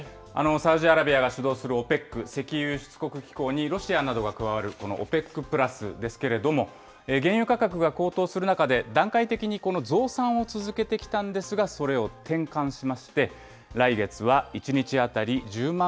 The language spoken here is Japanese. サウジアラビアが主導するＯＰＥＣ・石油輸出国機構にロシアなどが加わるこのＯＰＥＣプラスですけれども、原油価格が高騰する中で、段階的に増産を続けてきたんですが、それを転換しまして、来月は１日当たり１０万